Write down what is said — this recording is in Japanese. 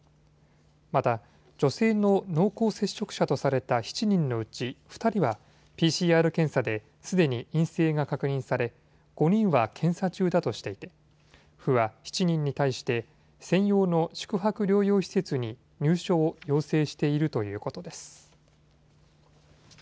また、女性の濃厚接触者とされた７人のうち２人はＰＣＲ検査ですでに陰性が確認され５人は検査中だとしていて府は７人に対して専用の宿泊療養施設に入所を要請しているということです。